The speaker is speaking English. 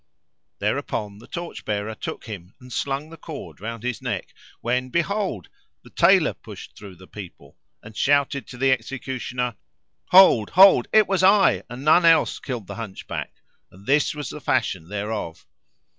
Thereupon the torch bearer took him and slung the cord round his neck when behold, the Tailor pushed through the people, and shouted to the executioner, "Hold! Hold! It was I and none else killed the Hunchback; and this was the fashion thereof.